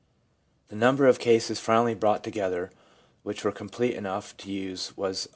The number of cases finally brought together which were complete enough to use was 192.